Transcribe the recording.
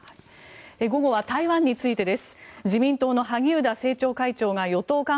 午後は台湾についてです。